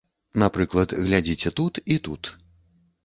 Напрыклад, глядзіце тут і тут.